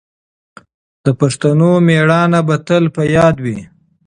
د پښتنو مېړانه به تل په یاد وي.